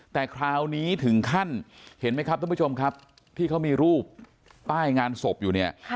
แต่คราวนี้ถึงขั้นเห็นไหมครับท่านผู้ชมครับที่เขามีรูปป้ายงานศพอยู่เนี่ย